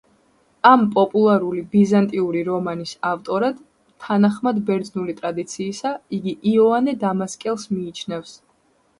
ამ პოპულარული ბიზანტიური რომანის ავტორად, თანახმად ბერძნული ტრადიციისა, იგი იოანე დამასკელს მიიჩნევს.